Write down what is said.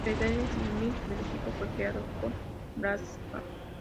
En realidad, el gimmick del equipo fue creado por Bradshaw.